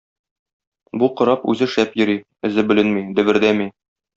Бу кораб үзе шәп йөри, эзе беленми, дөбердәми.